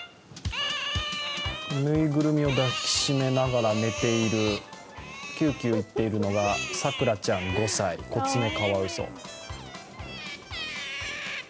ぬいぐるみを抱きしめながら寝ている、キューキュー言っているのがさくらちゃん５歳、コツメカワウソ。